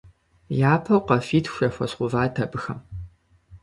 Япэу къафитху яхуэзгъэуват абыхэм.